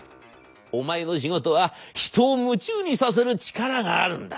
お前の仕事は人を夢中にさせる力があるんだ」。